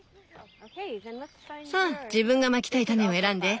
さあ自分がまきたい種を選んで。